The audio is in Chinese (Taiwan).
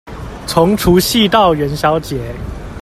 從除夕到元宵節